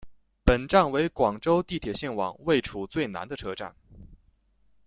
本站为广州地铁线网位处最南的车站。